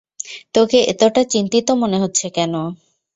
তোকে এতটা চিন্তিত মনে হচ্ছে কেন?